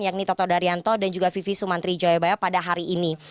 yakni toto daryanto dan juga vivi sumantri jayabaya pada hari ini